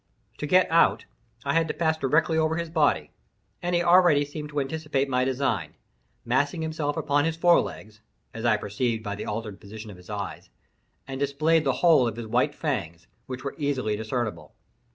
To get out, I had to pass directly over his body, and he already seemed to anticipate my design—missing himself upon his fore legs (as I perceived by the altered position of his eyes), and displayed the whole of his white fangs, which were easily discernible.